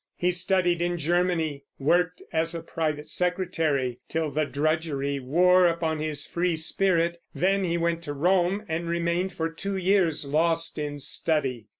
He studied in Germany; worked as a private secretary, till the drudgery wore upon his free spirit; then he went to Rome and remained for two years, lost in study.